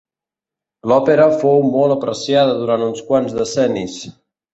L'òpera fou molt apreciada durant uns quants decennis.